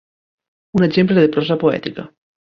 Un exemple de prosa poètica.